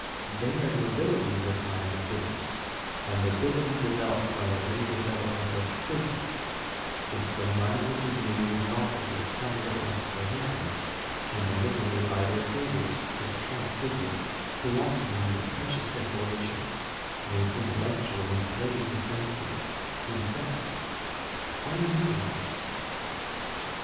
They are the nobility in this land of business, a nobility developed by the very development of business; since the money which is made in the offices comes at last to them, and manipulated by their fingers, is transfigured, blossoming into precious decorations, made intellectual in plays of fancy, in fact, unutilized.